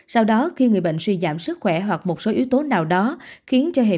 sau đó khi người bệnh suy giảm sức khỏe hoặc một số yếu tố nào đó